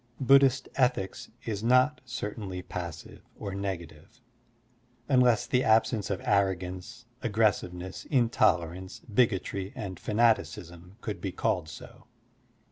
Bud dhist ethics is not certainly passive or negative, unless the absence of arrogance, aggressiveness, intolerance, bigotry, and fanaticism could be called so.